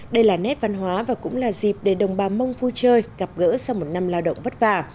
đây là nét văn hóa và cũng là dịp để đồng bào mông vui chơi gặp gỡ sau một năm lao động vất vả